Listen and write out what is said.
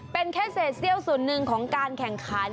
เป็นแค่เศษเซี่ยวส่วนหนึ่งของการแข่งขัน